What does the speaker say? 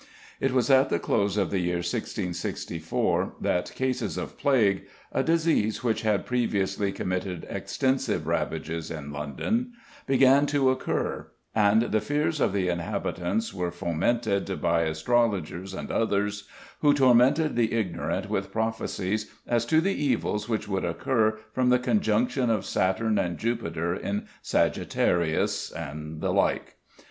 It was at the close of the year 1664 that cases of plague a disease which had previously committed extensive ravages in London began to occur, and the fears of the inhabitants were fomented by astrologers and others, who tormented the ignorant with prophecies as to the evils which would occur from the "conjunction of Saturn and Jupiter in Sagittarius" and the like.